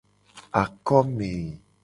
Akome.